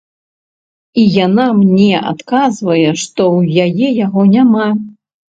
І яна мне адказвае, што ў яе яго няма.